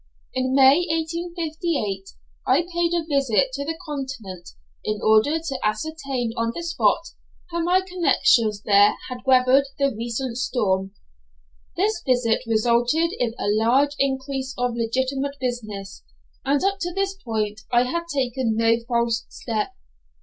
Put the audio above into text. In May, 1858, I paid a visit to the Continent, in order to ascertain on the spot how my connections there had weathered the recent storm. This visit resulted in a large increase of legitimate business, and up to this point I had taken no false step.